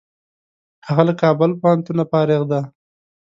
هغه له کابل پوهنتونه فارغ دی.